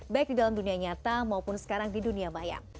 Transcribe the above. baik di dalam dunia nyata maupun sekarang di dunia maya